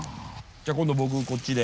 じゃあ今度僕こっちで。